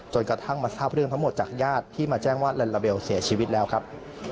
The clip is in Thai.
กระทั่งมาทราบเรื่องทั้งหมดจากญาติที่มาแจ้งว่าลัลลาเบลเสียชีวิตแล้วครับ